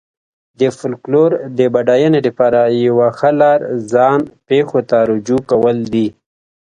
د فولکلور د بډاینې لپاره یوه ښه لار ځان پېښو ته رجوع کول دي.